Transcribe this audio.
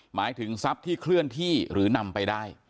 หมายถึงทรัพย์ที่เคลื่อนที่หรือนำไปได้